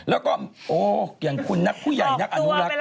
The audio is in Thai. แล้วก็โอ้อย่างคุณนักผู้ใหญ่นักอนุรักษ์